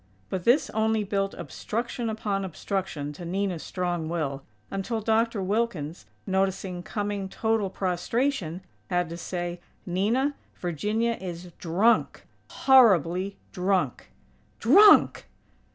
But this only built obstruction upon obstruction to Nina's strong will, until Dr. Wilkins, noticing coming total prostration, had to say: "Nina, Virginia is drunk; horribly drunk." "_Drunk!!